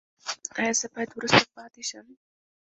ایا زه باید وروسته پاتې شم؟